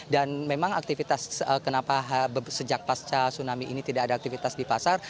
dan memang aktivitas kenapa sejak pasca tsunami ini tidak ada aktivitas di pasar